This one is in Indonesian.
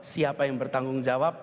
siapa yang bertanggung jawab